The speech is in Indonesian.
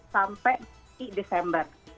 sampai di desember